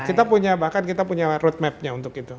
kita punya bahkan kita punya road map nya untuk itu